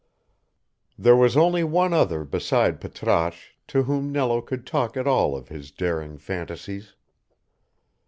There was only one other beside Patrasche to whom Nello could talk at all of his daring fantasies.